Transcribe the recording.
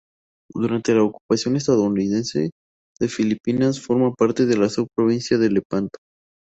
Durante la ocupación estadounidense de Filipinas forma parte de la sub-provincia de Lepanto.